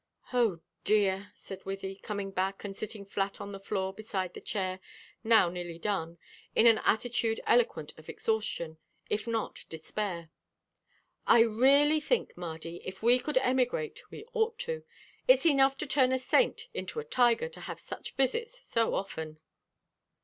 "Oh, dear," said Wythie, coming back and sitting flat on the floor beside the chair, now nearly done, in an attitude eloquent of exhaustion, if not despair. "I really think, Mardy, if we could emigrate, we ought to; it's enough to turn a saint into a tiger to have such visits so often."